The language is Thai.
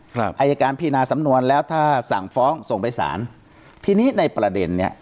อายการพินาสำนวนแล้วถ้าสั่งฟ้องส่งไปสารทีนี้ในประเด็นเนี้ย